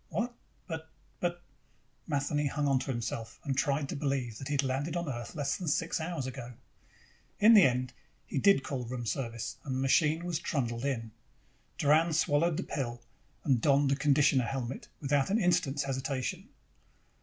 "What? But but " Matheny hung onto himself and tried to believe that he had landed on Earth less than six hours ago. In the end, he did call room service and the machine was trundled in. Doran swallowed the pill and donned the conditioner helmet without an instant's hesitation.